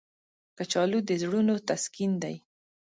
کچالو د زړونو تسکین دی